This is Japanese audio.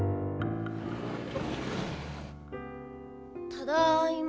ただいま。